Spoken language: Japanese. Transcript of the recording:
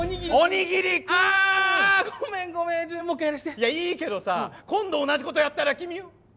いやいいけどさ今度同じ事やったら君。